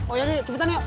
oh ya cepetan yuk